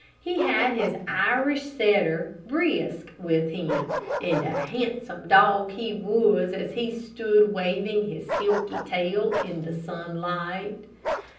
He had his Irish setter, Brisk, with him, and a handsome dog he was, as he stood waving his silky tail in the sunlight.